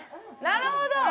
なるほど！